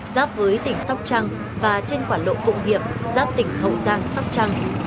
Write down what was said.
giáp với tỉnh sóc trăng và trên quả lộ phụng hiệp giáp tỉnh hậu giang sóc trăng